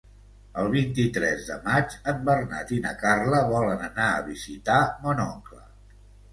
El vint-i-tres de maig en Bernat i na Carla volen anar a visitar mon oncle.